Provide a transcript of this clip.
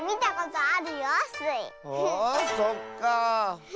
あそっか！